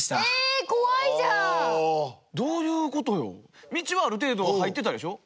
どういうことよ。